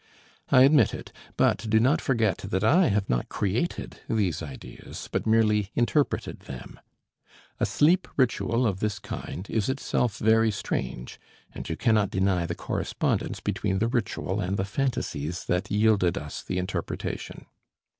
I admit it, but do not forget that I have not created these ideas but merely interpreted them. A sleep ritual of this kind is itself very strange, and you cannot deny the correspondence between the ritual and the phantasies that yielded us the interpretation.